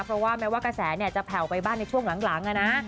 เพราะว่าแม้ว่ากระแสจะแผ่วไปบ้านในช่วงหลังนะ